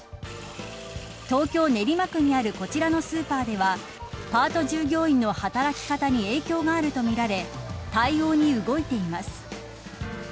東京、練馬区にあるこちらのスーパーではパート従業員の働き方に影響があるとみられ対応に動いています。